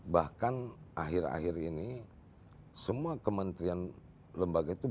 bahkan akhir akhir ini semua kementrian lembaga itu berubah